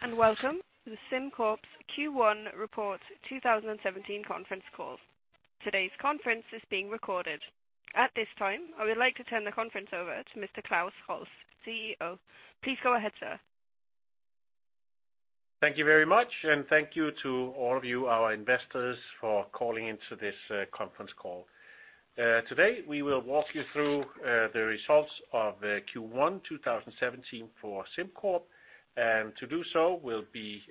Good day, welcome to the SimCorp Q1 Report 2017 conference call. Today's conference is being recorded. At this time, I would like to turn the conference over to Mr. Klaus Holse, CEO. Please go ahead, sir. Thank you very much, thank you to all of you, our investors, for calling in to this conference call. Today, we will walk you through the results of Q1 2017 for SimCorp, and to do so will be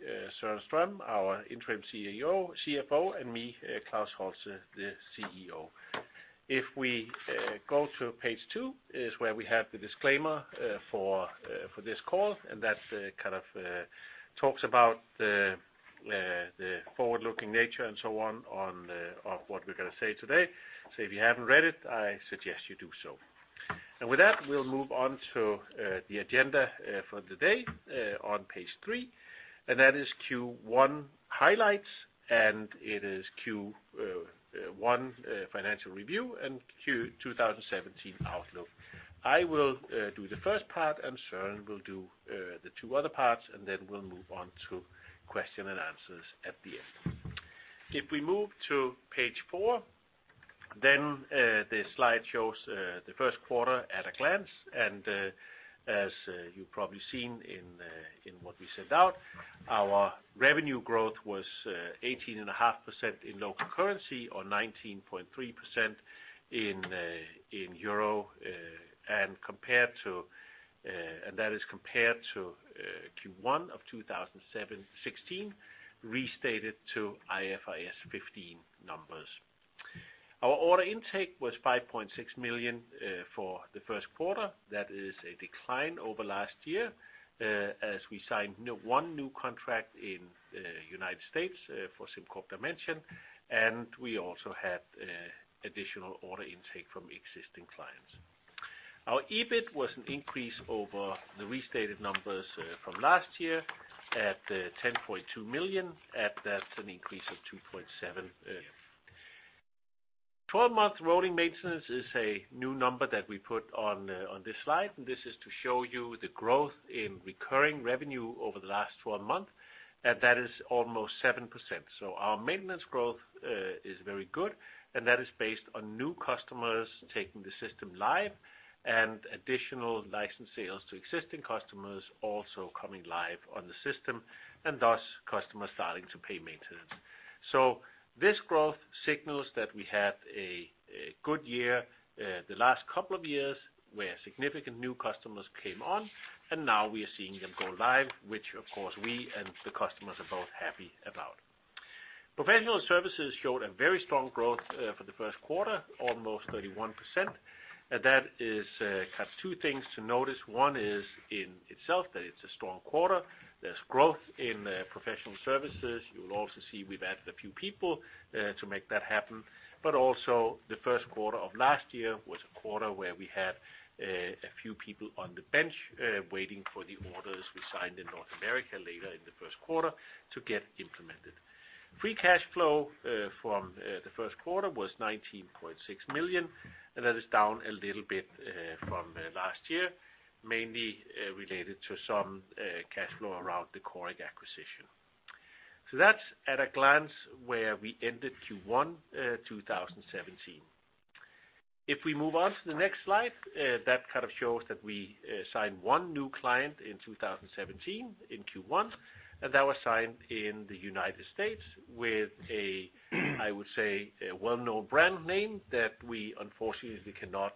Søren Strøm, our Interim CFO, and me, Klaus Holse, CEO. We go to page two is where we have the disclaimer for this call, that talks about the forward-looking nature and so on of what we're going to say today. If you haven't read it, I suggest you do so. With that, we'll move on to the agenda for the day on page three, that is Q1 highlights, it is Q1 financial review and Q1 2017 outlook. I will do the first part, Søren will do the two other parts, then we'll move on to question and answers at the end. We move to page four, the slide shows the first quarter at a glance, as you've probably seen in what we sent out, our revenue growth was 18.5% in local currency or 19.3% in EUR, that is compared to Q1 2016, restated to IFRS 15 numbers. Our order intake was 5.6 million for the first quarter. That is a decline over last year, as we signed one new contract in the U.S. for SimCorp Dimension, we also had additional order intake from existing clients. Our EBIT was an increase over the restated numbers from last year at 10.2 million, at that an increase of 2.7 million. Twelve-month rolling maintenance is a new number that we put on this slide, this is to show you the growth in recurring revenue over the last 12 months, that is almost 7%. Our maintenance growth is very good, that is based on new customers taking the system live and additional license sales to existing customers also coming live on the system, thus customers starting to pay maintenance. This growth signals that we had a good year the last couple of years, where significant new customers came on, now we are seeing them go live, which of course, we and the customers are both happy about. Professional services showed a very strong growth for the first quarter, almost 31%, that is two things to notice. One is in itself that it's a strong quarter. There's growth in professional services. You'll also see we've added a few people to make that happen. Also the first quarter of last year was a quarter where we had a few people on the bench waiting for the orders we signed in North America later in the first quarter to get implemented. Free cash flow from the first quarter was 19.6 million, that is down a little bit from last year, mainly related to some cash flow around the Coric acquisition. That is at a glance where we ended Q1 2017. We move on to the next slide, that shows that we signed one new client in 2017 in Q1, and that was signed in the U.S. with a, I would say, a well-known brand name that we unfortunately cannot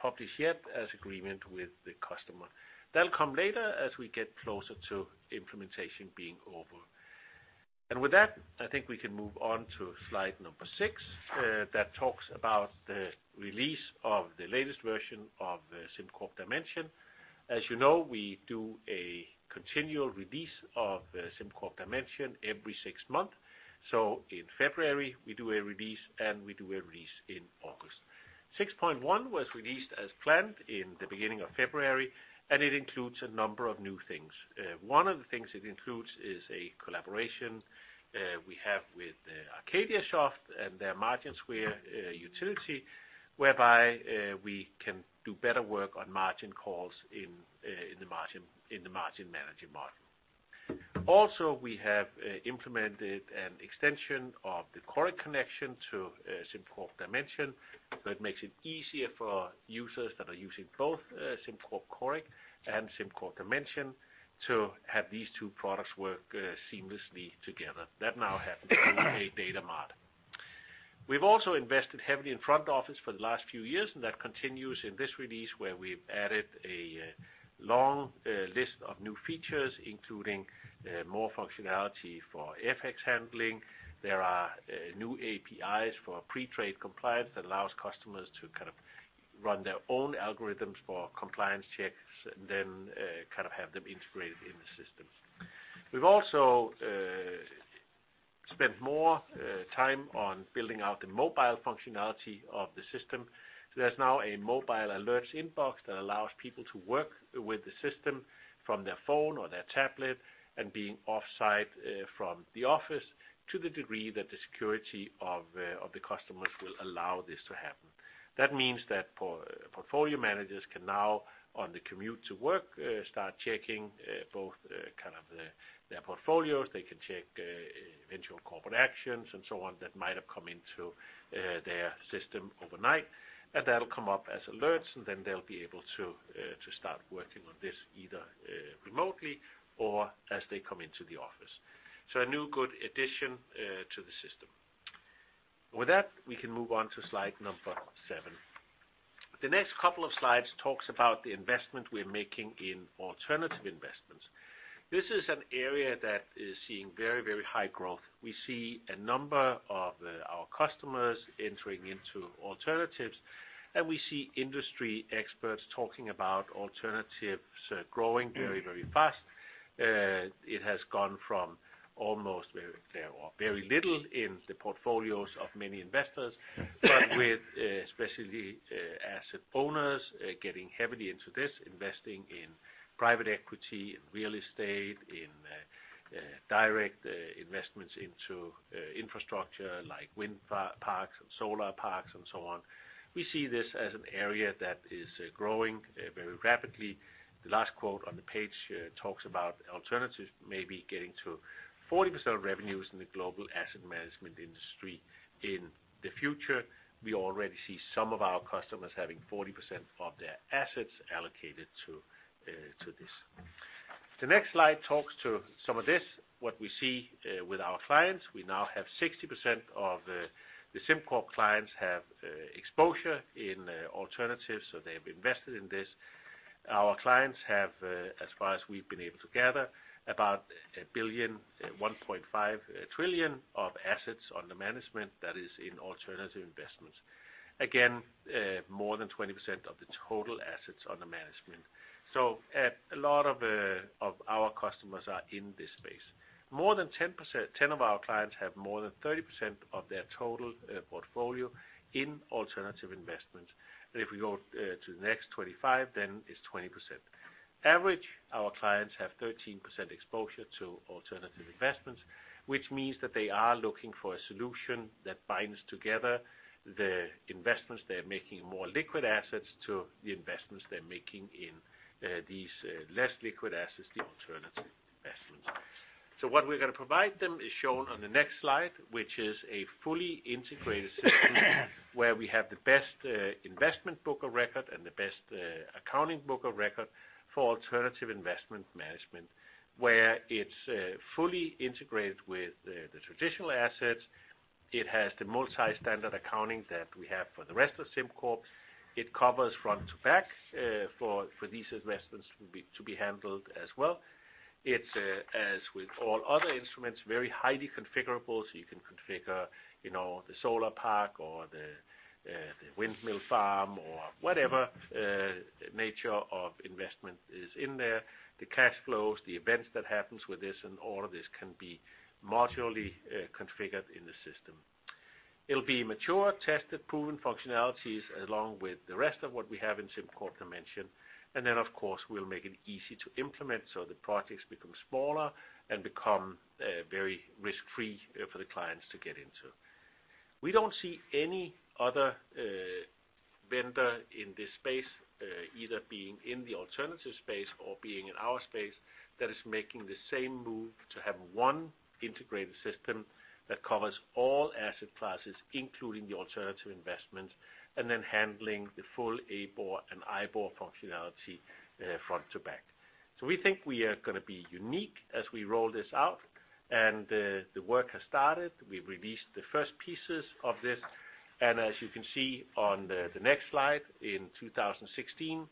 publish yet as agreement with the customer. That will come later as we get closer to implementation being over. With that, I think we can move on to slide number six that talks about the release of the latest version of SimCorp Dimension. As you know, we do a continual release of SimCorp Dimension every six months. In February, we do a release, and we do a release in August. 6.1 was released as planned in the beginning of February, and it includes a number of new things. One of the things it includes is a collaboration we have with AcadiaSoft and their MarginSphere utility, whereby we can do better work on margin calls in the margin management model. Also, we have implemented an extension of the Coric connection to SimCorp Dimension that makes it easier for users that are using both SimCorp Coric and SimCorp Dimension to have these two products work seamlessly together. That now happens through a data mart. We have also invested heavily in front office for the last few years, and that continues in this release where we have added a long list of new features, including more functionality for FX handling. There are new APIs for pre-trade compliance that allows customers to run their own algorithms for compliance checks, then have them integrated in the systems. We have also spent more time on building out the mobile functionality of the system. There is now a mobile alerts inbox that allows people to work with the system from their phone or their tablet and being off-site from the office to the degree that the security of the customers will allow this to happen. That means that portfolio managers can now, on the commute to work, start checking both their portfolios. They can check eventual corporate actions and so on that might have come into their system overnight, and that will come up as alerts, and then they will be able to start working on this either remotely or as they come into the office. A new good addition to the system. With that, we can move on to slide number seven. The next couple of slides talks about the investment we are making in alternative investments. This is an area that is seeing very high growth. We see a number of our customers entering into alternatives, and we see industry experts talking about alternatives growing very fast. It has gone from almost very little in the portfolios of many investors. With especially asset owners getting heavily into this, investing in private equity, in real estate, in direct investments into infrastructure like wind parks and solar parks and so on. We see this as an area that is growing very rapidly. The last quote on the page talks about alternatives maybe getting to 40% of revenues in the global asset management industry in the future. We already see some of our customers having 40% of their assets allocated to this. The next slide talks to some of this, what we see with our clients. We now have 60% of the SimCorp clients have exposure in alternatives, so they've invested in this. Our clients have as far as we've been able to gather about 1 billion, 1.5 trillion of assets under management that is in alternative investments. Again, more than 20% of the total assets under management. A lot of our customers are in this space. More than 10 of our clients have more than 30% of their total portfolio in alternative investment. If we go to the next 25, it's 20%. Average, our clients have 13% exposure to alternative investments, which means that they are looking for a solution that binds together the investments they're making in more liquid assets to the investments they're making in these less liquid assets, the alternative investments. What we're going to provide them is shown on the next slide, which is a fully integrated system where we have the best investment book of record and the best accounting book of record for alternative investment management, where it's fully integrated with the traditional assets. It has the multi-standard accounting that we have for the rest of SimCorp. It covers front to back for these investments to be handled as well. It's as with all other instruments, very highly configurable, so you can configure the solar park or the windmill farm or whatever nature of investment is in there. The cash flows, the events that happens with this, and all of this can be modularly configured in the system. It'll be mature, tested, proven functionalities along with the rest of what we have in SimCorp Dimension. Of course, we'll make it easy to implement so the projects become smaller and become very risk-free for the clients to get into. We don't see any other vendor in this space either being in the alternative space or being in our space that is making the same move to have one integrated system that covers all asset classes, including the alternative investments, and then handling the full AIBOR and IBOR functionality front to back. We think we are going to be unique as we roll this out, and the work has started. We've released the first pieces of this, and as you can see on the next slide, in 2016,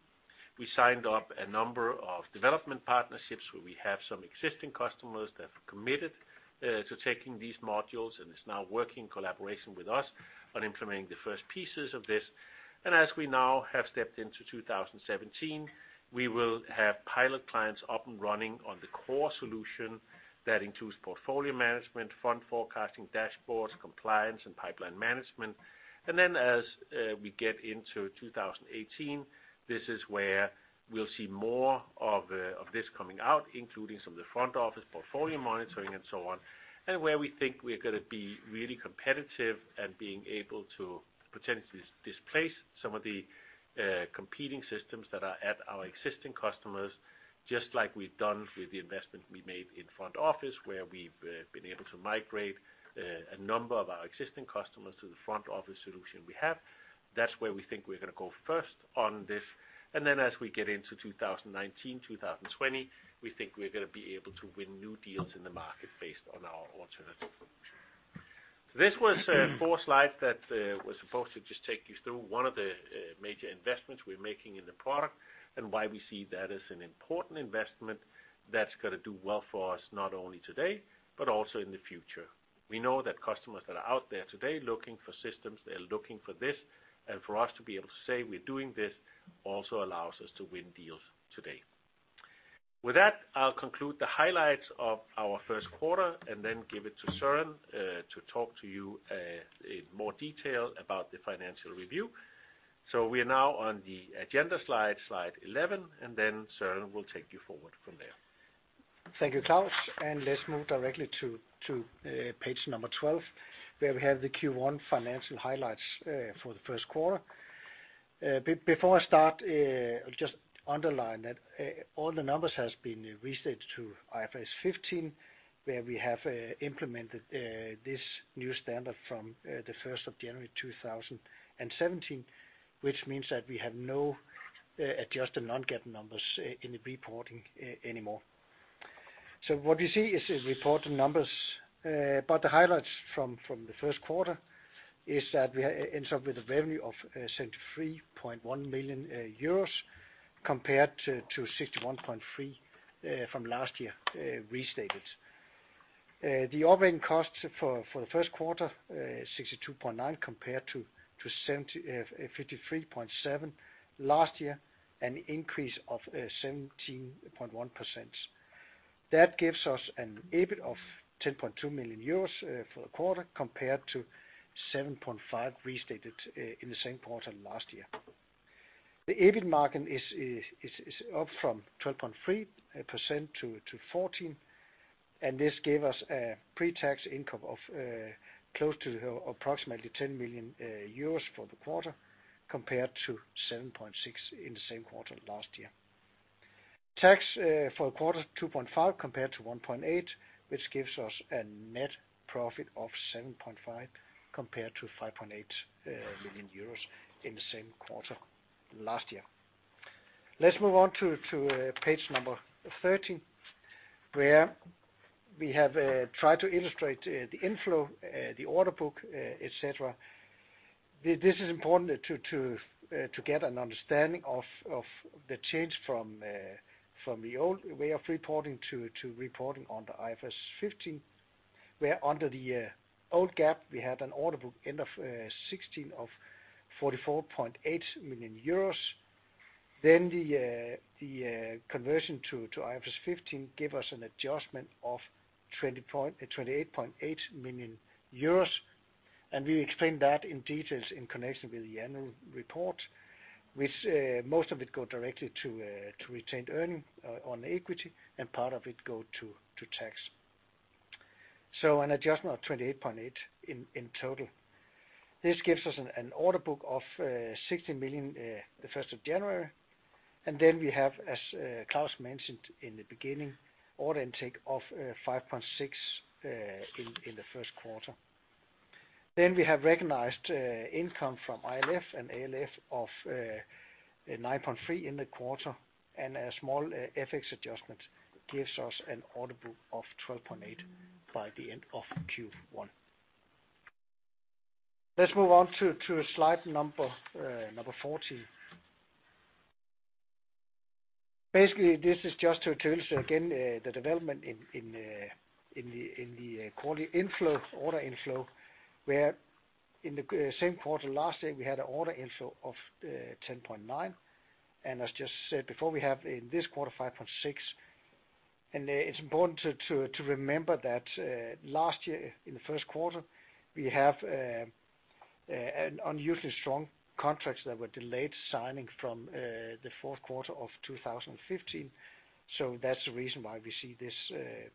we signed up a number of development partnerships where we have some existing customers that have committed to taking these modules and is now working in collaboration with us on implementing the first pieces of this. As we now have stepped into 2017, we will have pilot clients up and running on the core solution. That includes portfolio management, fund forecasting, dashboards, compliance, and pipeline management. As we get into 2018, this is where we'll see more of this coming out, including some of the front office, portfolio monitoring, and so on. Where we think we're going to be really competitive and being able to potentially displace some of the competing systems that are at our existing customers, just like we've done with the investment we made in front office, where we've been able to migrate a number of our existing customers to the front office solution we have. That's where we think we're going to go first on this. Then as we get into 2019, 2020, we think we're going to be able to win new deals in the market based on our alternative solution. This was four slides that were supposed to just take you through one of the major investments we're making in the product and why we see that as an important investment that's going to do well for us, not only today, but also in the future. We know that customers that are out there today looking for systems, they're looking for this. For us to be able to say we're doing this also allows us to win deals today. With that, I'll conclude the highlights of our first quarter, then give it to Søren to talk to you in more detail about the financial review. We are now on the agenda slide 11, then Søren will take you forward from there. Thank you, Klaus. Let's move directly to page number 12, where we have the Q1 financial highlights for the first quarter. Before I start, I'll just underline that all the numbers have been restated to IFRS 15, where we have implemented this new standard from the 1st of January 2017, which means that we have no adjusted non-GAAP numbers in the reporting anymore. What you see is reported numbers. The highlights from the first quarter is that we end up with a revenue of 73.1 million euros compared to 61.3 from last year, restated. The operating costs for the first quarter are 62.9, compared to 53.7 last year, an increase of 17.1%. That gives us an EBIT of 10.2 million euros for the quarter, compared to 7.5 restated in the same quarter last year. The EBIT margin is up from 12.3% to 14%. This gave us a pre-tax income of close to approximately 10 million euros for the quarter, compared to 7.6 in the same quarter last year. Tax for the quarter, 2.5 compared to 1.8, which gives us a net profit of 7.5, compared to 5.8 million euros in the same quarter last year. Let's move on to page number 13, where we have tried to illustrate the inflow, the order book, et cetera. This is important to get an understanding of the change from the old way of reporting to reporting under IFRS 15, where under the old GAAP, we had an order book end of 2016 of 44.8 million euros. The conversion to IFRS 15 gave us an adjustment of 28.8 million euros, and we explain that in detail in connection with the annual report, which most of it goes directly to retained earnings on equity, and part of it goes to tax. An adjustment of 28.8 in total. This gives us an order book of 60 million the 1st of January. We have, as Klaus mentioned in the beginning, order intake of 5.6 in the first quarter. We have recognized income from ILF and ALF of 9.3 in the quarter, and a small FX adjustment gives us an order book of 12.8 by the end of Q1. Let's move on to slide number 14. Basically, this is just to illustrate again, the development in the quarterly order inflow, where in the same quarter last year, we had an order inflow of 10.9. As I just said before, we have in this quarter 5.6. It's important to remember that last year in the first quarter, we have an unusually strong contract that were delayed signing from the fourth quarter of 2015. That's the reason why we see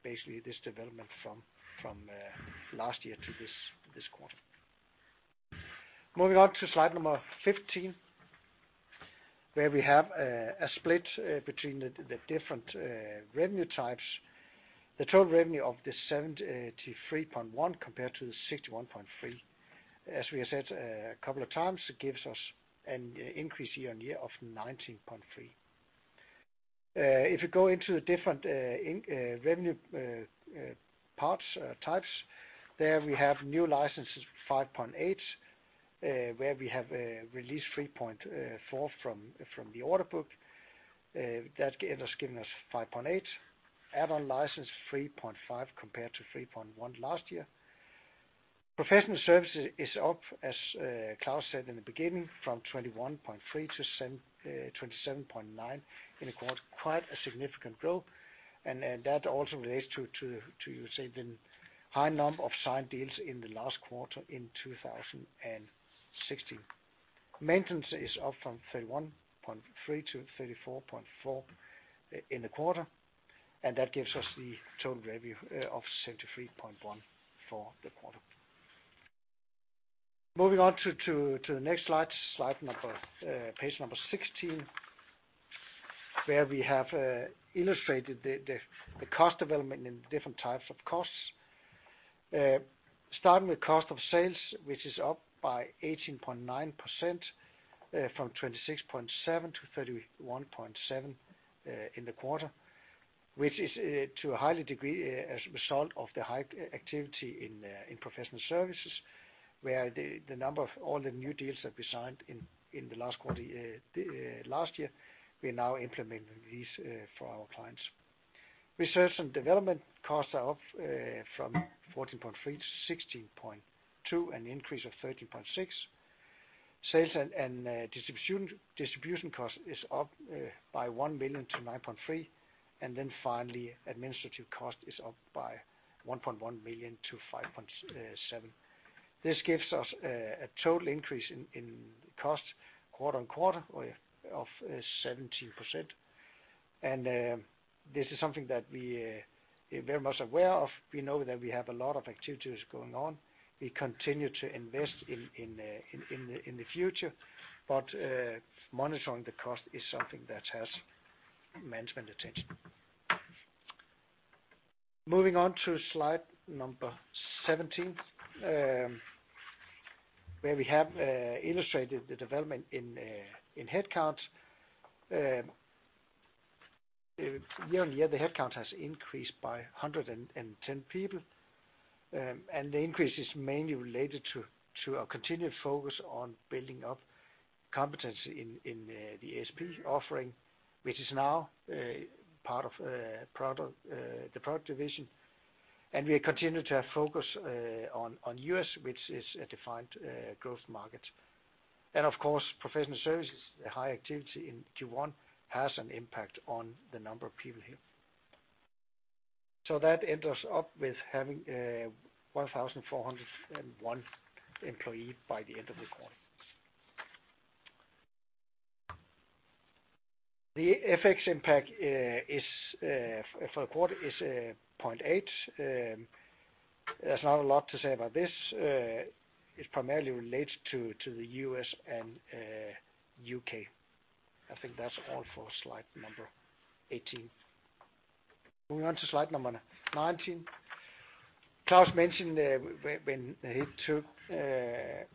basically this development from last year to this quarter. Moving on to slide number 15, where we have a split between the different revenue types. The total revenue of 73.1 compared to 61.3. As we have said a couple of times, it gives us an increase year-on-year of 19.3%. If you go into the different revenue types, there we have new licenses, 5.8, where we have released 3.4 from the order book. That ends up giving us 5.8. Add-on license 3.5 compared to 3.1 last year. Professional services is up, as Klaus said in the beginning, from 21.3 to 27.9 in the quarter. Quite a significant growth, and that also relates to, you say, the high number of signed deals in the last quarter in 2016. Maintenance is up from 31.3 to 34.4 in the quarter, and that gives us the total revenue of 73.1 for the quarter. Moving on to the next slide, page number 16, where we have illustrated the cost development in different types of costs. Starting with cost of sales, which is up by 18.9% from 26.7 to 31.7 in the quarter, which is to a high degree a result of the high activity in professional services, where the number of all the new deals that we signed in the last quarter last year, we are now implementing these for our clients. Research and Development costs are up from 14.3 to 16.2, an increase of 13.6%. Sales and Distribution cost is up by 1 million to 9.3. Finally, Administrative cost is up by 1.1 million to 5.7. This gives us a total increase in cost quarter-on-quarter of 17%. This is something that we are very much aware of. We know that we have a lot of activities going on. We continue to invest in the future, but monitoring the cost is something that has management attention. Moving on to slide number 17, where we have illustrated the development in headcounts. Year-on-year, the headcount has increased by 110 people, the increase is mainly related to our continued focus on building up competency in the ASP offering, which is now part of the product division. We continue to have focus on U.S., which is a defined growth market. And of course, professional services, the high activity in Q1 has an impact on the number of people here. That ends us up with having 1,401 employee by the end of the quarter. The FX impact for the quarter is 0.8. There's not a lot to say about this. It primarily relates to the U.S. and U.K. I think that's all for slide number 18. Moving on to slide number 19. Klaus mentioned when he took the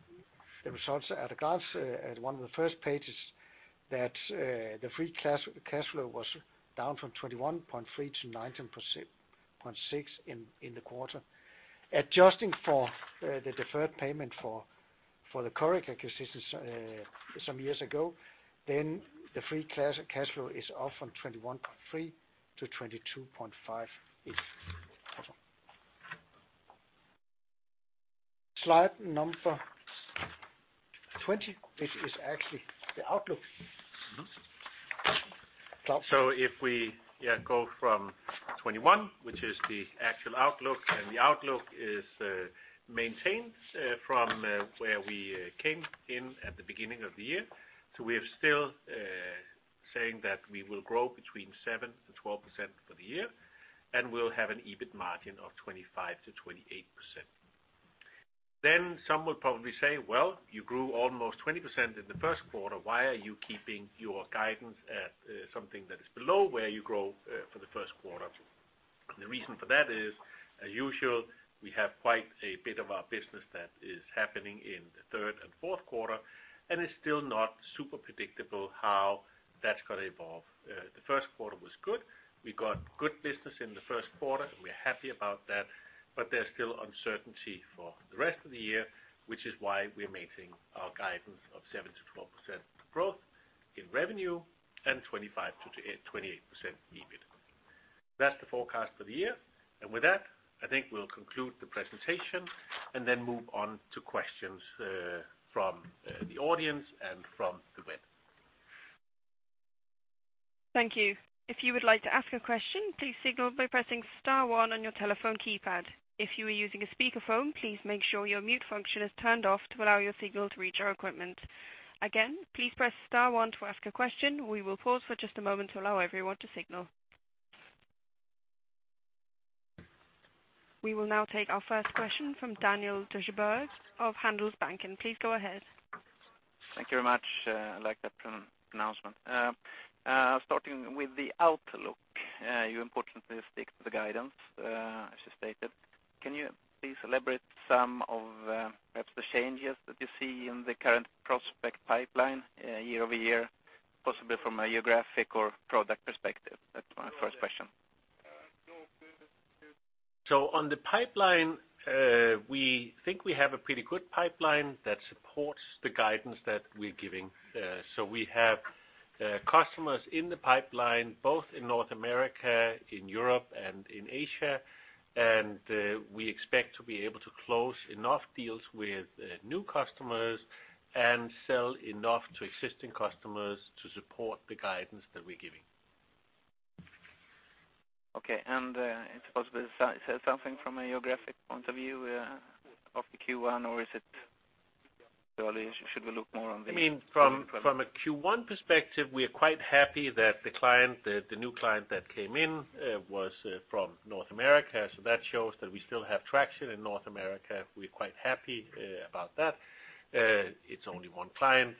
results at a glance at one of the first pages that the free cash flow was down from 21.3 to 19.6 in the quarter. Adjusting for the deferred payment for the Coric acquisition some years ago, the free cash flow is up from 21.3 to 22.5. Slide number 20, which is actually the outlook. Klaus? If we go from 21, which is the actual outlook, and the outlook is maintained from where we came in at the beginning of the year, so we're still saying that we will grow between 7%-12% for the year, and we'll have an EBIT margin of 25%-28%. Some will probably say, "Well, you grew almost 20% in the first quarter. Why are you keeping your guidance at something that is below where you grew for the first quarter?" The reason for that is, as usual, we have quite a bit of our business that is happening in the third and fourth quarter, and it's still not super predictable how that's going to evolve. The first quarter was good. We got good business in the first quarter, and we're happy about that. There's still uncertainty for the rest of the year, which is why we're maintaining our guidance of 7%-12% growth in revenue and 25%-28% EBIT. That's the forecast for the year. With that, I think we'll conclude the presentation and then move on to questions from the audience and from the web. Thank you. If you would like to ask a question, please signal by pressing star one on your telephone keypad. If you are using a speakerphone, please make sure your mute function is turned off to allow your signal to reach our equipment. Again, please press star one to ask a question. We will pause for just a moment to allow everyone to signal. We will now take our first question from Daniel Djurberg of Handelsbanken. Please go ahead. Thank you very much. I like that announcement. Starting with the outlook, you importantly stick to the guidance, as you stated. Can you please elaborate some of perhaps the changes that you see in the current prospect pipeline year-over-year, possibly from a geographic or product perspective? That's my first question. On the pipeline, we think we have a pretty good pipeline that supports the guidance that we're giving. We have customers in the pipeline, both in North America, in Europe and in Asia. We expect to be able to close enough deals with new customers and sell enough to existing customers to support the guidance that we're giving. Okay, it's possibly, say something from a geographic point of view of the Q1, or is it early? From a Q1 perspective, we are quite happy that the new client that came in was from North America. That shows that we still have traction in North America. We're quite happy about that. It's only one client.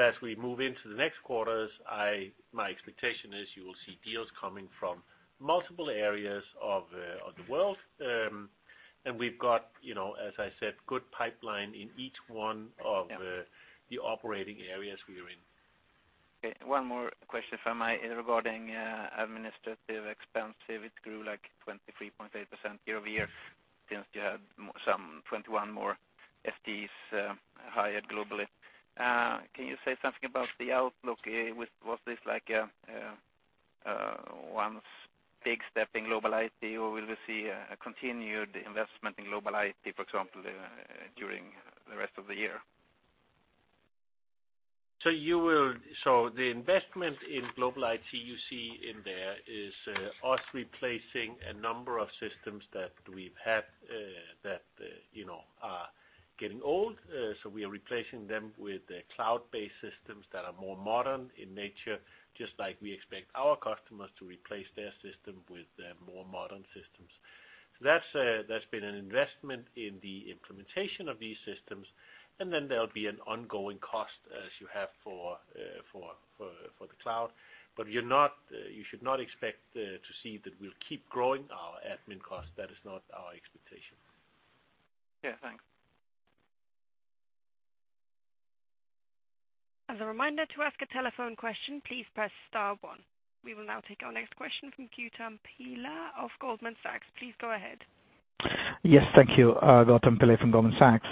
As we move into the next quarters, my expectation is you will see deals coming from multiple areas of the world. We've got, as I said, good pipeline in each one of the operating areas we are in. Okay, one more question from me regarding administrative expense. It grew like 23.8% year-over-year since you had some 21 more FTEs hired globally. Can you say something about the outlook? Was this like one big step in global IT, or will we see a continued investment in global IT, for example, during the rest of the year? The investment in global IT you see in there is us replacing a number of systems that we've had that are getting old, we are replacing them with cloud-based systems that are more modern in nature, just like we expect our customers to replace their system with more modern systems. There'll be an ongoing cost as you have for the cloud. You should not expect to see that we'll keep growing our admin cost. That is not our expectation. Yeah, thanks. As a reminder, to ask a telephone question, please press star one. We will now take our next question from Gautam Pillai of Goldman Sachs. Please go ahead. Yes, thank you. Gautam Pillai from Goldman Sachs.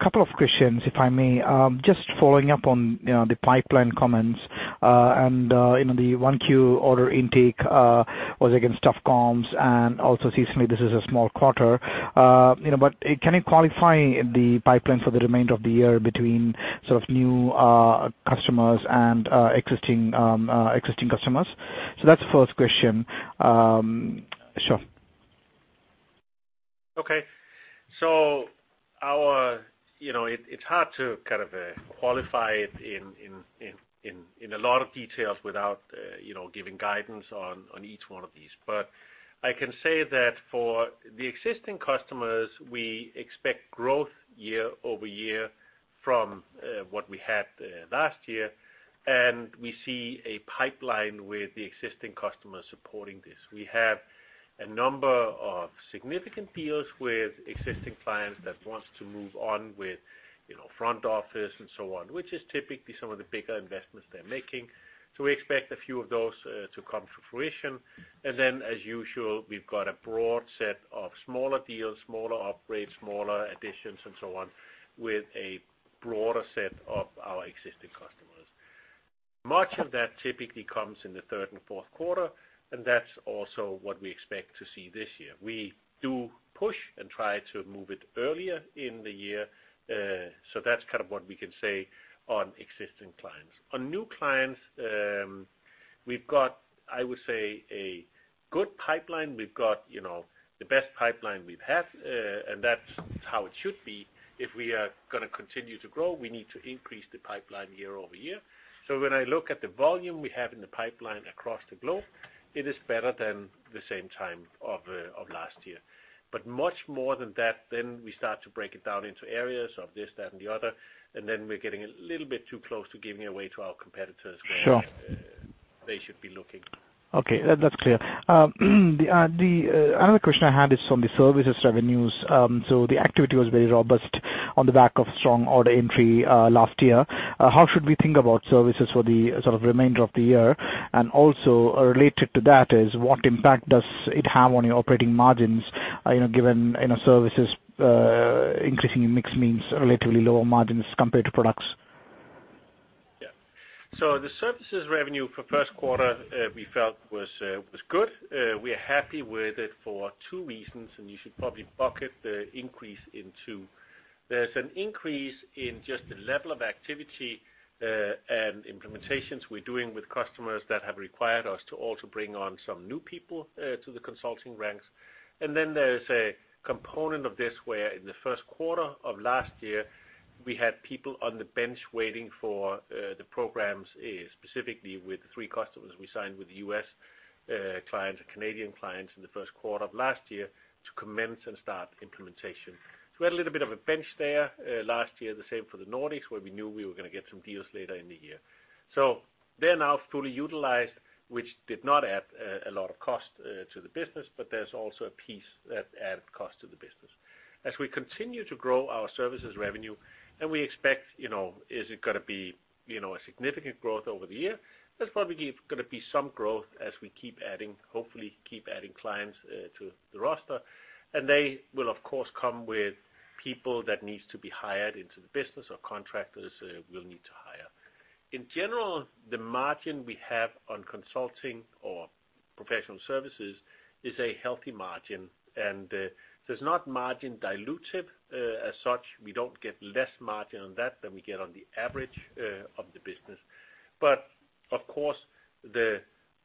Couple of questions, if I may. Just following up on the pipeline comments. The 1Q order intake was against tough comps and also seasonally, this is a small quarter. Can you qualify the pipeline for the remainder of the year between sort of new customers and existing customers? That's the first question. Sure. Okay. It's hard to kind of qualify it in a lot of details without giving guidance on each one of these. I can say that for the existing customers, we expect growth year-over-year from what we had last year. We see a pipeline with the existing customers supporting this. We have a number of significant deals with existing clients that want to move on with front office and so on, which is typically some of the bigger investments they're making. We expect a few of those to come to fruition. As usual, we've got a broad set of smaller deals, smaller upgrades, smaller additions, and so on, with a broader set of our existing customers. Much of that typically comes in the third and fourth quarter, that's also what we expect to see this year. We do push and try to move it earlier in the year. That's kind of what we can say on existing clients. On new clients, we've got, I would say, a good pipeline. We've got the best pipeline we've had, that's how it should be. If we are going to continue to grow, we need to increase the pipeline year-over-year. When I look at the volume we have in the pipeline across the globe, it is better than the same time of last year. Much more than that, then we start to break it down into areas of this, that, and the other, then we're getting a little bit too close to giving away to our competitors- Sure where they should be looking. Okay. That's clear. Another question I had is on the services revenues. The activity was very robust on the back of strong order entry last year. How should we think about services for the sort of remainder of the year? Also related to that is what impact does it have on your operating margins given services increasing in mixed means, relatively lower margins compared to products? Yeah. The services revenue for first quarter we felt was good. We're happy with it for two reasons. You should probably bucket the increase in two. There's an increase in just the level of activity and implementations we're doing with customers that have required us to also bring on some new people to the consulting ranks. There's a component of this where in the first quarter of last year, we had people on the bench waiting for the programs, specifically with the three customers we signed with U.S. clients and Canadian clients in the first quarter of last year to commence and start implementation. We had a little bit of a bench there last year, the same for the Nordics, where we knew we were going to get some deals later in the year. They're now fully utilized, which did not add a lot of cost to the business, but there's also a piece that added cost to the business. As we continue to grow our services revenue, we expect, is it going to be a significant growth over the year? There's probably going to be some growth as we hopefully keep adding clients to the roster. They will, of course, come with people that needs to be hired into the business or contractors we'll need to hire. In general, the margin we have on consulting or professional services is a healthy margin. There's not margin dilutive as such. We don't get less margin on that than we get on the average of the business. Of course, the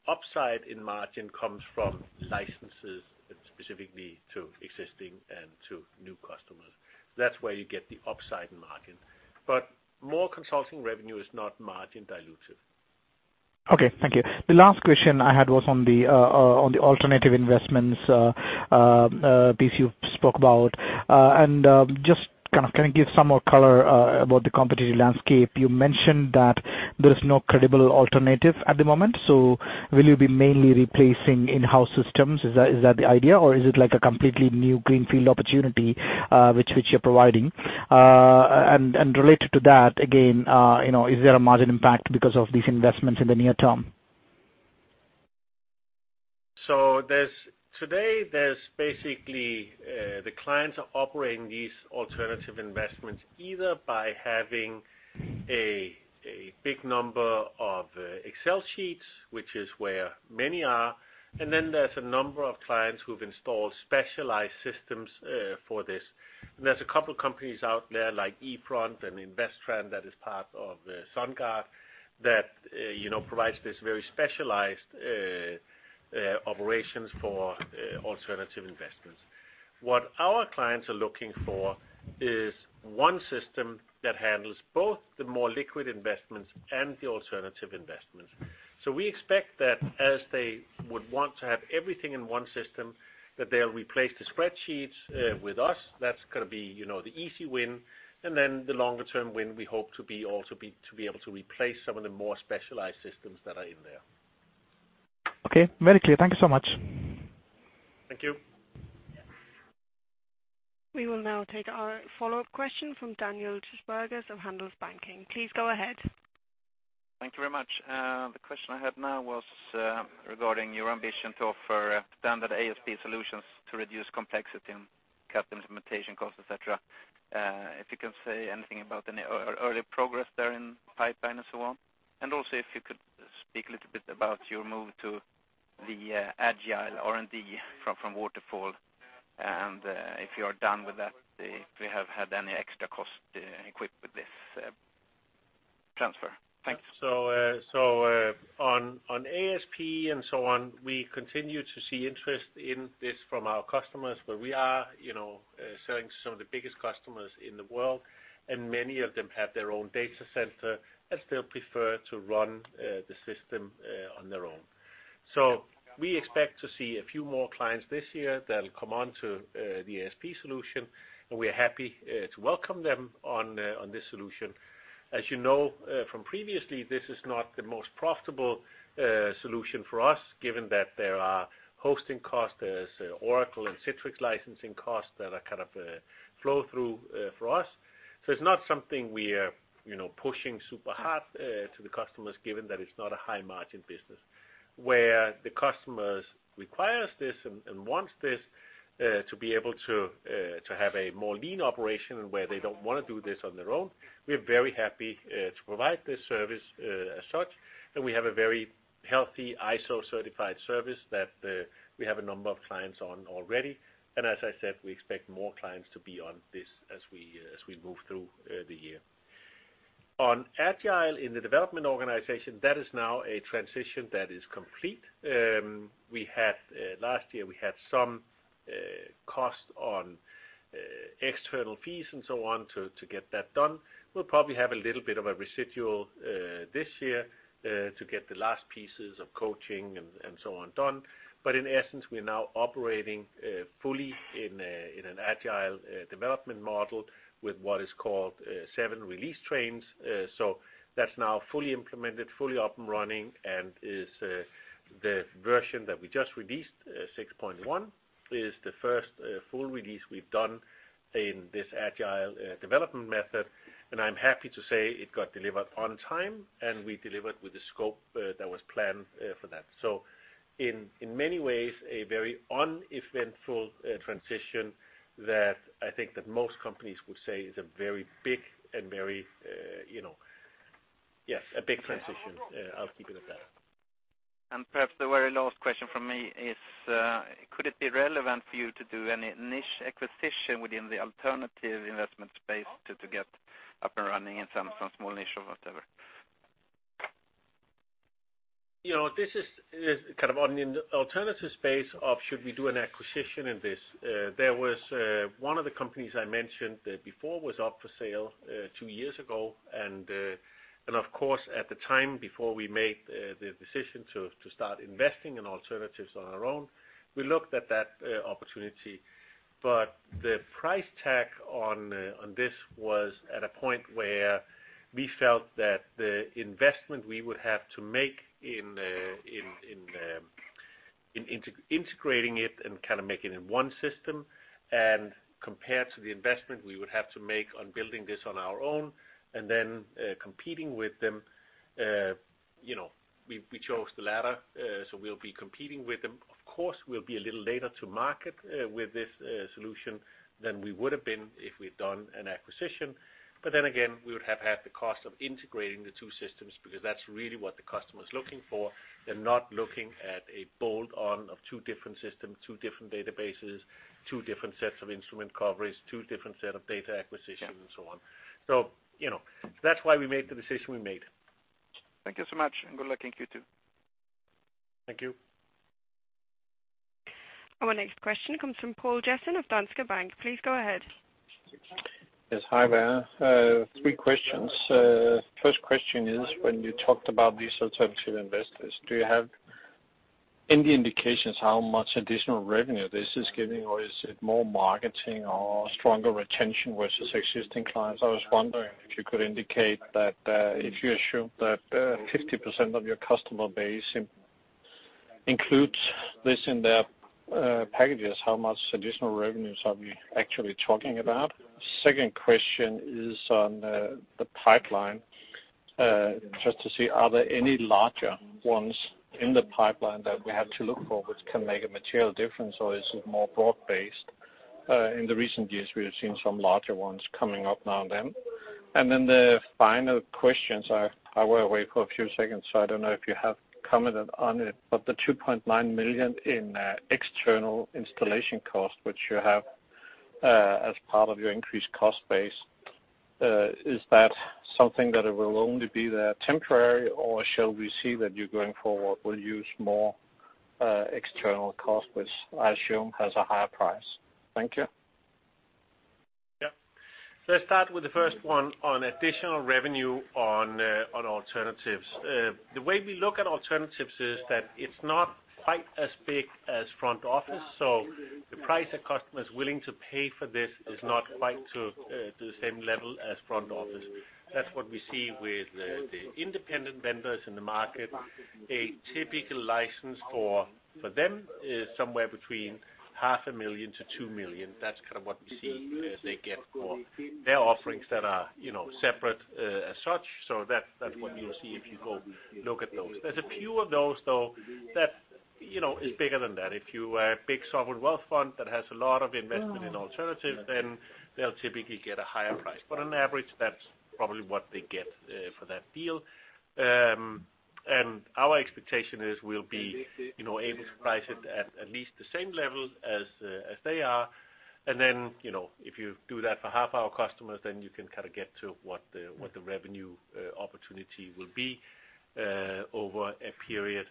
upside in margin comes from licenses specifically to existing and to new customers. That's where you get the upside in margin. More consulting revenue is not margin dilutive. Okay. Thank you. The last question I had was on the alternative investments piece you spoke about. Just kind of give some more color about the competitive landscape. You mentioned that there is no credible alternative at the moment. Will you be mainly replacing in-house systems? Is that the idea? Or is it like a completely new greenfield opportunity which you're providing? Related to that, again, is there a margin impact because of these investments in the near term? Today there's basically the clients are operating these alternative investments either by having a big number of Excel sheets, which is where many are, and then there's a number of clients who've installed specialized systems for this. There's a couple companies out there like eFront and Investran that is part of SunGard that provides this very specialized operations for alternative investments. What our clients are looking for is one system that handles both the more liquid investments and the alternative investments. We expect that as they would want to have everything in one system, that they'll replace the spreadsheets with us. That's going to be the easy win, and then the longer-term win, we hope to be able to replace some of the more specialized systems that are in there. Okay. Very clear. Thank you so much. Thank you. We will now take our follow-up question from Daniel Djurberg of Handelsbanken. Please go ahead. Thank you very much. The question I have now was regarding your ambition to offer standard ASP solutions to reduce complexity and cut implementation costs, et cetera. If you can say anything about any early progress there in pipeline and so on. If you could speak a little bit about your move to the Agile R&D from Waterfall and if you are done with that, if we have had any extra cost equipped with this transfer. Thanks. On ASP and so on, we continue to see interest in this from our customers. We are selling to some of the biggest customers in the world, and many of them have their own data center, and still prefer to run the system on their own. We expect to see a few more clients this year that'll come onto the ASP solution, and we're happy to welcome them on this solution. As you know from previously, this is not the most profitable solution for us, given that there are hosting costs, there's Oracle and Citrix licensing costs that are kind of flow through for us. It's not something we are pushing super hard to the customers, given that it's not a high-margin business. Where the customers require this and want this to be able to have a more lean operation and where they don't want to do this on their own, we're very happy to provide this service as such. We have a very healthy ISO-certified service that we have a number of clients on already. As I said, we expect more clients to be on this as we move through the year. On Agile in the development organization, that is now a transition that is complete. Last year we had some cost on external fees and so on to get that done. We'll probably have a little bit of a residual this year to get the last pieces of coaching and so on done. In essence, we are now operating fully in an Agile development model with what is called 7 release trains. That's now fully implemented, fully up and running, and the version that we just released, 6.1, is the first full release we've done in this Agile development method. I'm happy to say it got delivered on time, we delivered with the scope that was planned for that. In many ways, a very uneventful transition that I think that most companies would say is a very big transition. I'll keep it at that. Perhaps the very last question from me is could it be relevant for you to do any niche acquisition within the alternative investment space to get up and running in some small niche or whatever? In the alternative space, should we do an acquisition in this? There was one of the companies I mentioned before was up for sale two years ago. Of course, at the time before we made the decision to start investing in alternatives on our own, we looked at that opportunity. The price tag on this was at a point where we felt that the investment we would have to make in integrating it and making it one system, and compared to the investment we would have to make on building this on our own and then competing with them, we chose the latter. We'll be competing with them. Of course, we'll be a little later to market with this solution than we would have been if we'd done an acquisition. Again, we would have had the cost of integrating the two systems because that's really what the customer's looking for. They're not looking at a bolt-on of two different systems, two different databases, two different sets of instrument coverage, two different set of data acquisition and so on. That's why we made the decision we made. Thank you so much, and good luck in Q2. Thank you. Our next question comes from Poul Jessen of Danske Bank. Please go ahead. Yes. Hi there. Three questions. First question is when you talked about these alternative investors, do you have any indications how much additional revenue this is giving, or is it more marketing or stronger retention versus existing clients? I was wondering if you could indicate that if you assume that 50% of your customer base includes this in their packages, how much additional revenues are we actually talking about? Second question is on the pipeline. Just to see, are there any larger ones in the pipeline that we have to look for which can make a material difference, or is it more broad based? In the recent years, we have seen some larger ones coming up now and then. The final question, I will wait for a few seconds I don't know if you have commented on it, but the 2.9 million in external installation cost, which you have as part of your increased cost base? Is that something that will only be there temporarily, or shall we see that you, going forward, will use more external cost, which I assume has a higher price? Thank you. Let's start with the first one on additional revenue on alternatives. The way we look at alternatives is that it's not quite as big as front office, the price a customer is willing to pay for this is not quite to the same level as front office. That's what we see with the independent vendors in the market. A typical license for them is somewhere between EUR half a million to 2 million. That's kind of what we see they get for their offerings that are separate as such. That's what you'll see if you go look at those. There's a few of those, though, that is bigger than that. If you have a big sovereign wealth fund that has a lot of investment in alternative, then they'll typically get a higher price. On average, that's probably what they get for that deal. Our expectation is we'll be able to price it at least the same level as they are. If you do that for half our customers, then you can kind of get to what the revenue opportunity will be over a period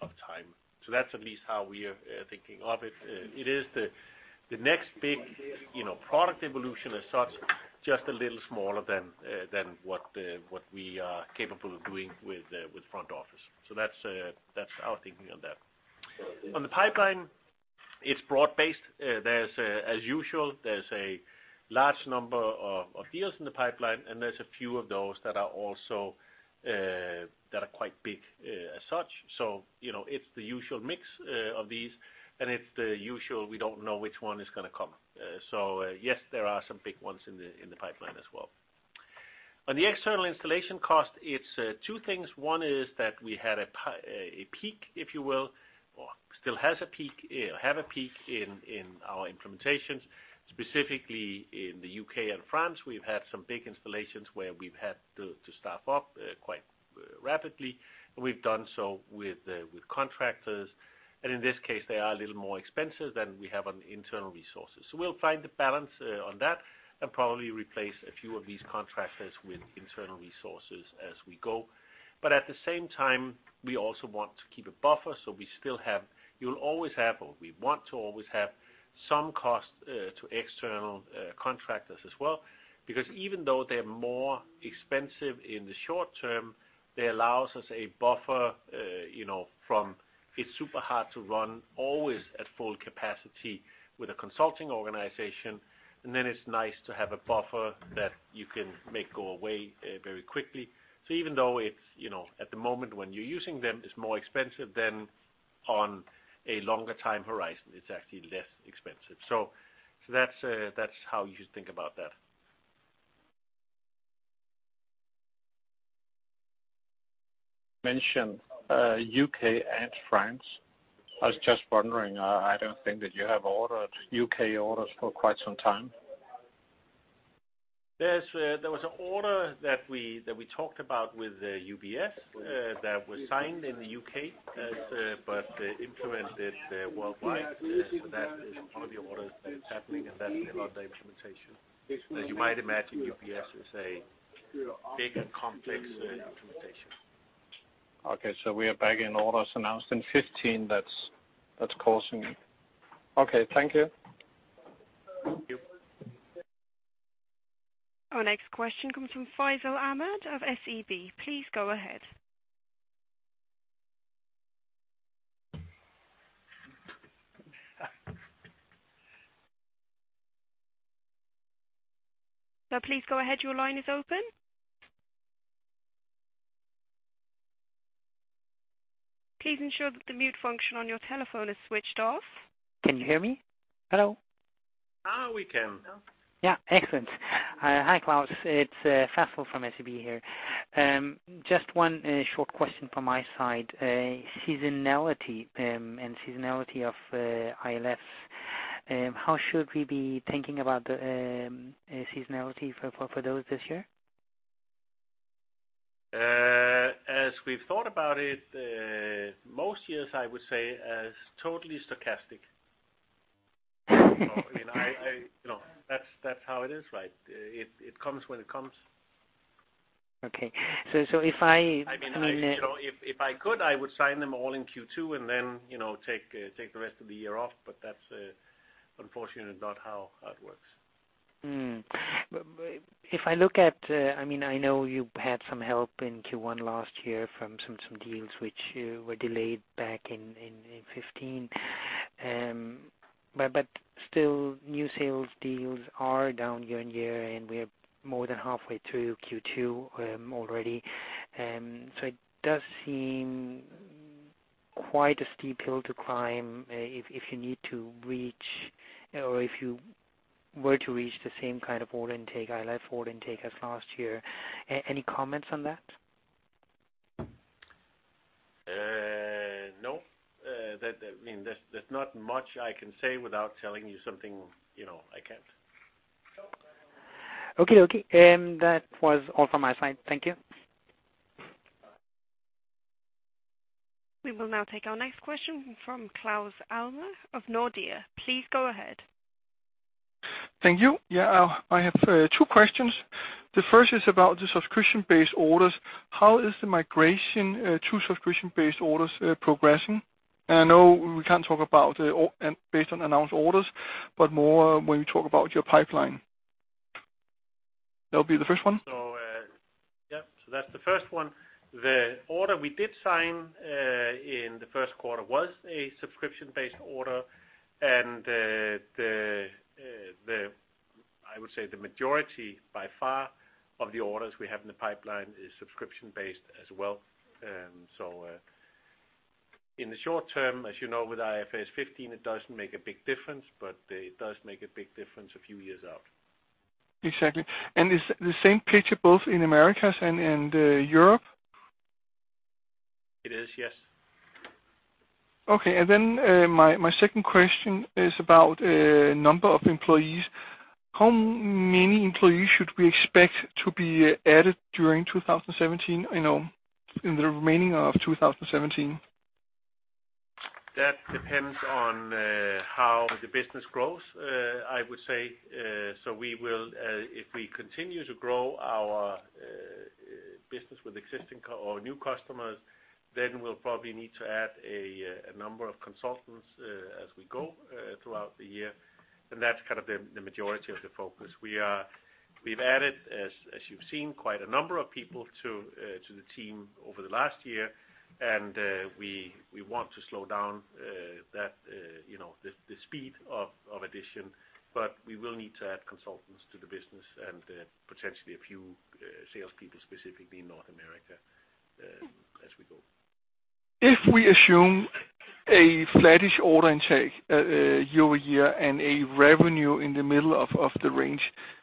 of time. That's at least how we are thinking of it. It is the next big product evolution as such, just a little smaller than what we are capable of doing with front office. That's our thinking on that. On the pipeline, it's broad-based. As usual, there's a large number of deals in the pipeline, and there's a few of those that are quite big as such. It's the usual mix of these, and it's the usual we don't know which one is going to come. Yes, there are some big ones in the pipeline as well. On the external installation cost, it's two things. One is that we had a peak, if you will, or still have a peak in our implementations, specifically in the U.K. and France. We've had some big installations where we've had to staff up quite rapidly, and we've done so with contractors. In this case, they are a little more expensive than we have on internal resources. We'll find the balance on that and probably replace a few of these contractors with internal resources as we go. At the same time, we also want to keep a buffer. You'll always have, or we want to always have, some cost to external contractors as well, because even though they're more expensive in the short term, they allow us a buffer. It's super hard to run always at full capacity with a consulting organization, and then it's nice to have a buffer that you can make go away very quickly. Even though it's, at the moment when you're using them, is more expensive than on a longer time horizon, it's actually less expensive. That's how you should think about that. You mentioned U.K. and France. I was just wondering, I don't think that you have U.K. orders for quite some time. There was an order that we talked about with UBS that was signed in the U.K. but implemented worldwide. That is part of the order that's happening, and that's about the implementation. As you might imagine, UBS is a big and complex implementation. We are back in orders announced in 2015 that's causing it. Thank you. Thank you. Our next question comes from Faisal Ahmad of SEB. Please go ahead. No, please go ahead. Your line is open. Please ensure that the mute function on your telephone is switched off. Can you hear me? Hello? Now we can. Yeah. Excellent. Hi, Klaus. It's Faisal from SEB here. Just one short question from my side. Seasonality and seasonality of ILFs. How should we be thinking about the seasonality for those this year? As we've thought about it, most years I would say as totally stochastic. That's how it is, right? It comes when it comes. Okay. If I could, I would sign them all in Q2 and then take the rest of the year off, but that's unfortunately not how it works. I know you had some help in Q1 last year from some deals which were delayed back in 2015. Still, new sales deals are down year-on-year, and we're more than halfway through Q2 already. It does seem quite a steep hill to climb if you need to reach, or if you were to reach the same kind of order intake, ILF order intake as last year. Any comments on that? No. There's not much I can say without telling you something I can't. Okay. That was all from my side. Thank you. We will now take our next question from Claus Almer of Nordea. Please go ahead. Thank you. Yeah, I have two questions. The first is about the subscription-based orders. How is the migration to subscription-based orders progressing? I know we can't talk about based on announced orders, but more when you talk about your pipeline. That would be the first one. Yep. That's the first one. The order we did sign in the first quarter was a subscription-based order. I would say the majority by far of the orders we have in the pipeline is subscription-based as well. In the short term, as you know, with IFRS 15, it doesn't make a big difference, but it does make a big difference a few years out. Exactly. It's the same picture both in Americas and Europe? It is, yes. Okay, my second question is about the number of employees. How many employees should we expect to be added during 2017, in the remaining of 2017? That depends on how the business grows, I would say. If we continue to grow our business with existing or new customers, then we'll probably need to add a number of consultants as we go throughout the year. That's kind of the majority of the focus. We've added, as you've seen, quite a number of people to the team over the last year. We want to slow down the speed of addition, but we will need to add consultants to the business and potentially a few salespeople, specifically in North America, as we go. If we assume a flattish order intake year-over-year and a revenue in the middle of the range,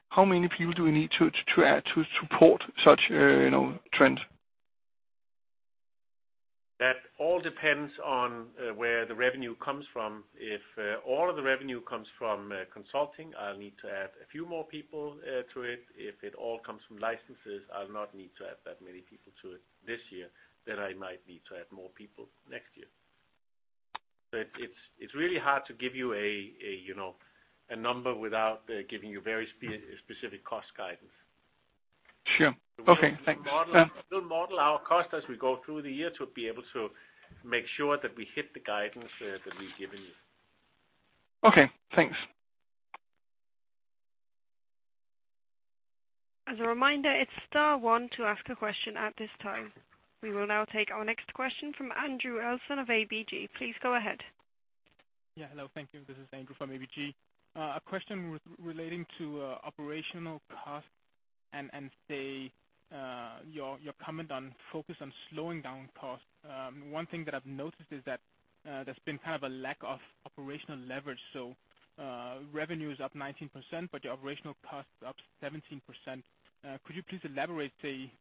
how many people do we need to add to support such trend? That all depends on where the revenue comes from. If all of the revenue comes from consulting, I'll need to add a few more people to it. If it all comes from licenses, I'll not need to add that many people to it this year, then I might need to add more people next year. It's really hard to give you a number without giving you very specific cost guidance. Sure. Okay, thanks. We'll model our cost as we go through the year to be able to make sure that we hit the guidance that we've given you. Okay, thanks. As a reminder, it's star one to ask a question at this time. We will now take our next question from Andrew Elson of ABG. Please go ahead. Hello. Thank you. This is Andrew from ABG. A question relating to operational costs and your comment on focus on slowing down costs. One thing that I've noticed is that there's been kind of a lack of operational leverage. Revenue is up 19%, but your operational cost is up 17%. Could you please elaborate, say,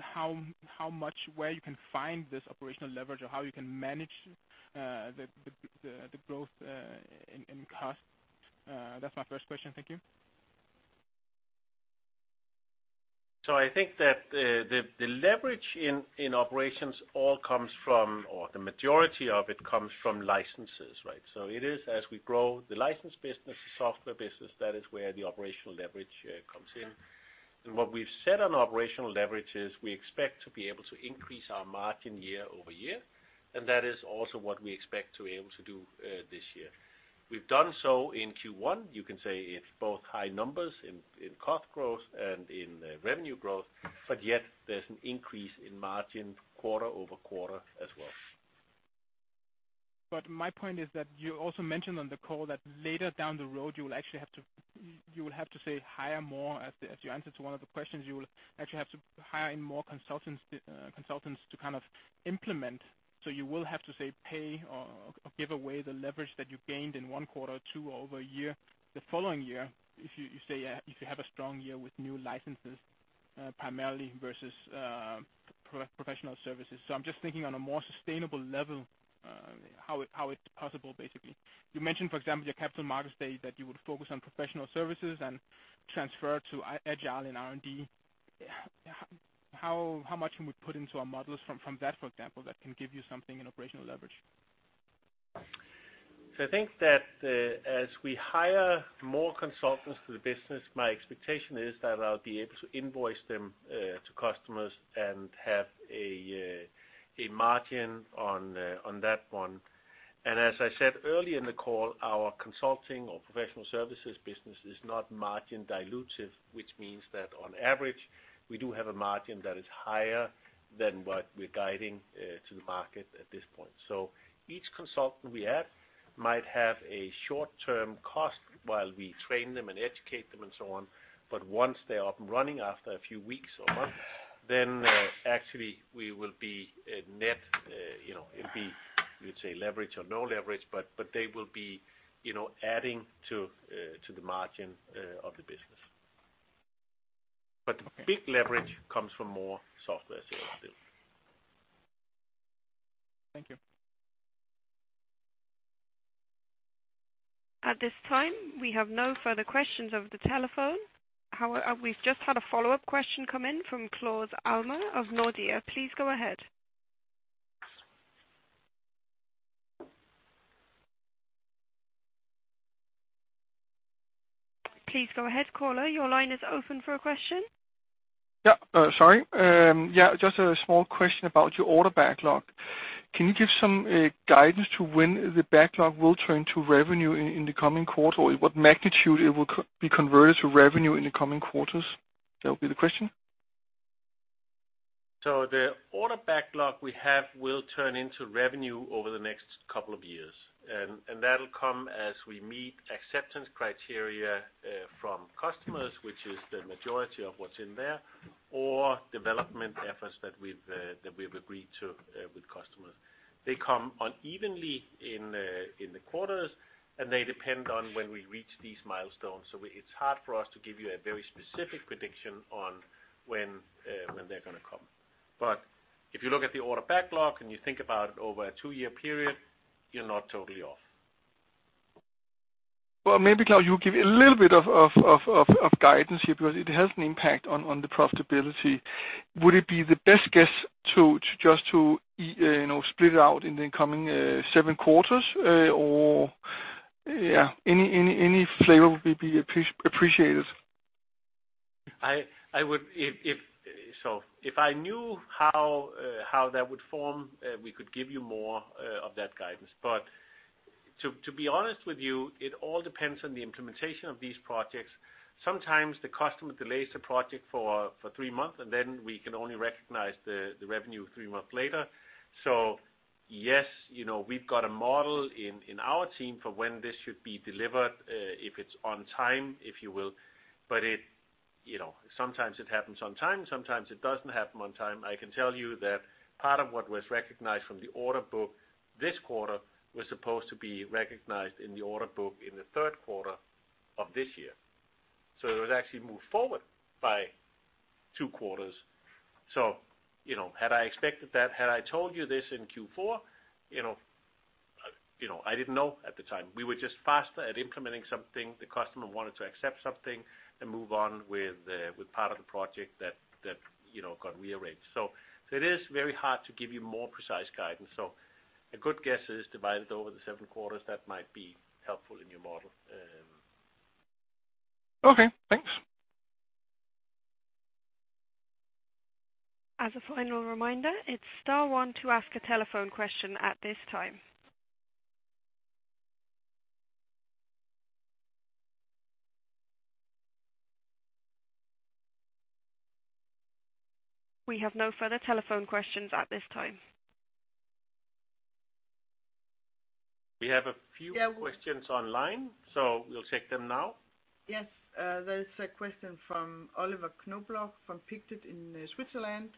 how much, where you can find this operational leverage or how you can manage the growth in cost? That's my first question. Thank you. I think that the leverage in operations all comes from, or the majority of it comes from licenses, right? It is as we grow the license business, the software business, that is where the operational leverage comes in. What we've said on operational leverage is we expect to be able to increase our margin year-over-year, and that is also what we expect to be able to do this year. We've done so in Q1. You can say it's both high numbers in cost growth and in revenue growth, but yet there's an increase in margin quarter-over-quarter as well. My point is that you also mentioned on the call that later down the road, you will have to, say, hire more, as you answered to one of the questions, you will actually have to hire in more consultants to kind of implement. You will have to, say, pay or give away the leverage that you gained in one quarter, two over a year, the following year, if you have a strong year with new licenses, primarily versus professional services. I'm just thinking on a more sustainable level, how it's possible, basically. You mentioned, for example, your capital markets day, that you would focus on professional services and transfer to Agile and R&D. How much can we put into our models from that, for example, that can give you something in operational leverage? I think that as we hire more consultants to the business, my expectation is that I'll be able to invoice them to customers and have a margin on that one. As I said early in the call, our consulting or professional services business is not margin dilutive, which means that on average, we do have a margin that is higher than what we're guiding to the market at this point. Each consultant we add might have a short-term cost while we train them and educate them and so on. Once they are up and running after a few weeks or months, then actually we will be net, it'll be, you'd say leverage or no leverage, but they will be adding to the margin of the business. Big leverage comes from more software sales still. Thank you. At this time, we have no further questions over the telephone. However, we've just had a follow-up question come in from Claus Almer of Nordea. Please go ahead. Please go ahead, caller. Your line is open for a question. Sorry. Just a small question about your order backlog. Can you give some guidance to when the backlog will turn to revenue in the coming quarter? What magnitude it will be converted to revenue in the coming quarters? That would be the question. The order backlog we have will turn into revenue over the next couple of years, That'll come as we meet acceptance criteria from customers, which is the majority of what's in there, or development efforts that we've agreed to with customers. They come unevenly in the quarters, They depend on when we reach these milestones. It's hard for us to give you a very specific prediction on when they're going to come. If you look at the order backlog and you think about it over a two-year period, you're not totally off. Well, maybe, Klaus, you give a little bit of guidance here because it has an impact on the profitability. Would it be the best guess just to split it out in the coming seven quarters or? Yeah. Any flavor would be appreciated. If I knew how that would form, we could give you more of that guidance. To be honest with you, it all depends on the implementation of these projects. Sometimes the customer delays the project for three months, and then we can only recognize the revenue three months later. Yes, we've got a model in our team for when this should be delivered, if it's on time, if you will, but sometimes it happens on time, sometimes it doesn't happen on time. I can tell you that part of what was recognized from the order book this quarter was supposed to be recognized in the order book in the third quarter of this year. It was actually moved forward by two quarters. Had I expected that, had I told you this in Q4, I didn't know at the time. We were just faster at implementing something. The customer wanted to accept something and move on with part of the project that got rearranged. It is very hard to give you more precise guidance. A good guess is divide it over the seven quarters. That might be helpful in your model. Okay, thanks. As a final reminder, it's star one to ask a telephone question at this time. We have no further telephone questions at this time. We have a few questions online, so we'll take them now. Yes. There's a question from Oliver Knobloch from Pictet in Switzerland.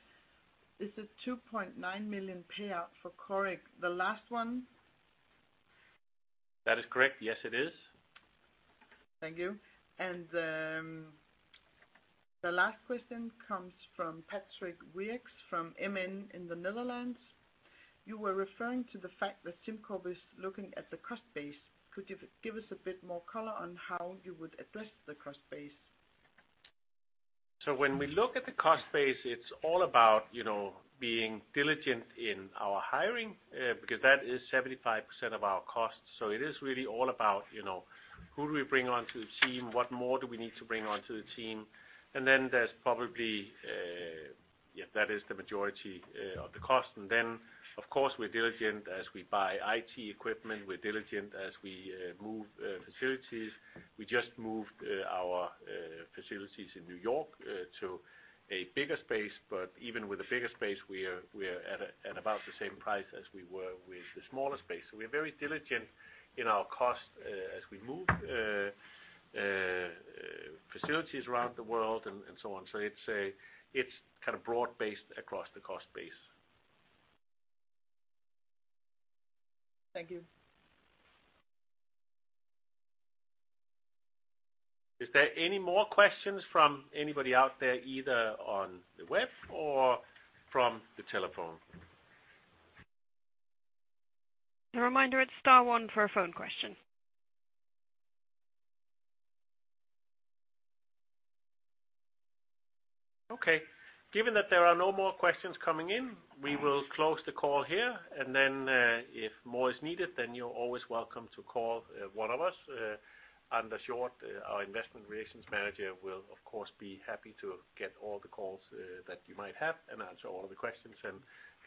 Is the 2.9 million payout for Coric the last one? That is correct. Yes, it is. Thank you. The last question comes from Patrick Riet from MN in the Netherlands. You were referring to the fact that SimCorp is looking at the cost base. Could you give us a bit more color on how you would address the cost base? When we look at the cost base, it's all about being diligent in our hiring, because that is 75% of our cost. It is really all about who do we bring onto the team, what more do we need to bring onto the team? There's probably Yeah, that is the majority of the cost. Of course, we're diligent as we buy IT equipment, we're diligent as we move facilities. We just moved our facilities in New York to a bigger space. Even with a bigger space, we're at about the same price as we were with the smaller space. We're very diligent in our cost as we move facilities around the world and so on. It's kind of broad-based across the cost base. Thank you. Is there any more questions from anybody out there, either on the web or from the telephone? A reminder, it's star one for a phone question. Okay. Given that there are no more questions coming in, we will close the call here, and then if more is needed, then you're always welcome to call one of us. Anders Hjort, our investment relations manager, will of course be happy to get all the calls that you might have and answer all of the questions and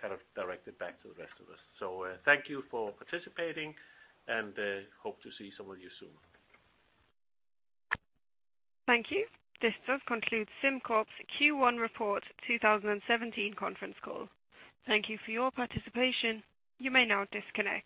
kind of direct it back to the rest of us. Thank you for participating and hope to see some of you soon. Thank you. This does conclude SimCorp's Q1 Report 2017 conference call. Thank you for your participation. You may now disconnect.